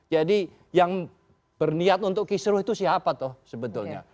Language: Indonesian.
jadi yang berniat untuk kisruh itu siapa tuh sebetulnya